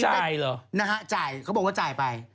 จ่ายเหรอนะฮะจ่ายเขาบอกว่าจ่ายไป